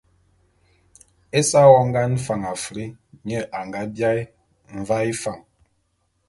Ésa wongan Fan Afr, nye a nga biaé Mvaé Fan.